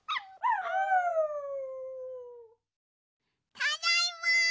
ただいま！